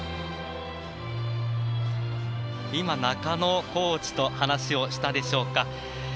今、中野コーチと話をしたでしょうか。